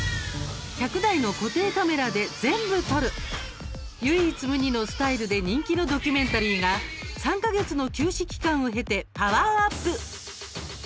１００台の固定カメラで全部撮る唯一無二のスタイルで人気のドキュメンタリーが３か月の休止期間を経てパワーアップ。